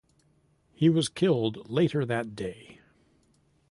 He was killed later that day.